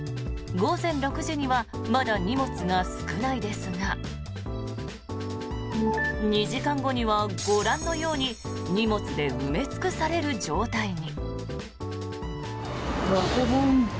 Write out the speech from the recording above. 午前６時にはまだ荷物が少ないですが２時間後にはご覧のように荷物で埋め尽くされる状態に。